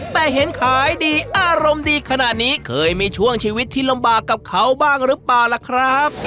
แต่เห็นขายดีอารมณ์ดีขนาดนี้เคยมีช่วงชีวิตที่ลำบากกับเขาบ้างหรือเปล่าล่ะครับ